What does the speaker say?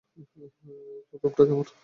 তোর রুমটা কেমন?